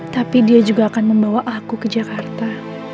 tapi dia juga akan membawa aku ke jakarta